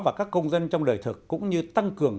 và các công dân trong đời thực cũng như tăng cường